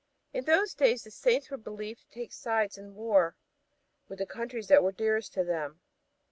In those days the Saints were believed to take sides in war with the countries that were dearest to them.